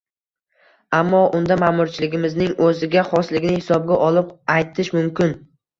Ammo unda, ma’murchiligimizning o‘ziga xosligini hisobga olib aytish mumkin